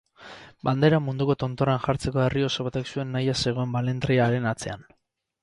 Bandera munduko tontorrean jartzeko herri oso batek zuen nahia zegoen balentria haren atzean.